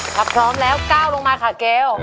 ถ้าพร้อมแล้วก้าวลงมาค่ะเกล